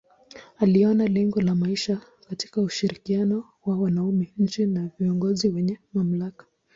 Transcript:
Aliona lengo ya maisha katika ushirikiano wa wanaume chini ya viongozi wenye mamlaka.